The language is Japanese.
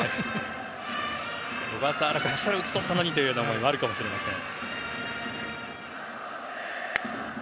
小笠原からしたら打ち取ったのにという思いがあるかもしれません。